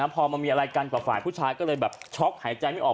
พอมามีอะไรกันกับฝ่ายผู้ชายก็เลยแบบช็อกหายใจไม่ออก